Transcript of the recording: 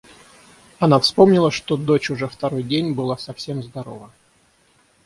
Она вспомнила, что дочь уже второй день была совсем здорова.